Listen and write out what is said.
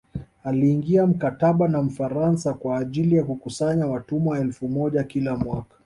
Aliingia mkataba na mfaransa kwa ajili ya kukusanya watumwa elfu moja kila mwaka